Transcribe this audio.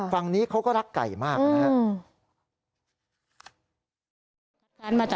ฝั่งนี้เขาก็รักไก่มากนะครับ